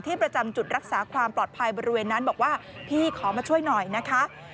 ประจำจุดรักษาความปลอดภัยบริเวณนั้นบอกว่าพี่ขอมาช่วยหน่อยนะคะ